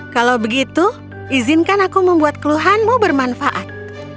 kalau begitu izinkan aku membuat keluhanmu bermanfaat